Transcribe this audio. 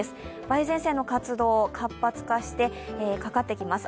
梅雨前線の活動、活発化してかかってきます。